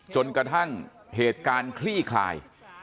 จนกระทั่งเหตุการณ์คลี่คลาย